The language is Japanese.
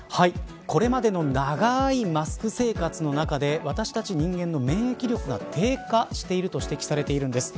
これまでの長いマスク生活の中で私たち人間の免疫力が低下していると指摘されているんです。